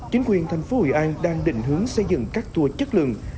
chính quyền thành phố hội an đang định hướng xây dựng các tour chất lượng